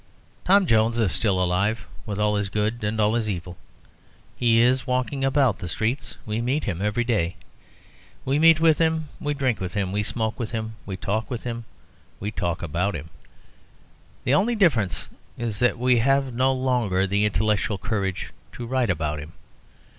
Tom Jones is still alive, with all his good and all his evil; he is walking about the streets; we meet him every day. We meet with him, we drink with him, we smoke with him, we talk with him, we talk about him. The only difference is that we have no longer the intellectual courage to write about him.